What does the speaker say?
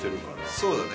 そうだね。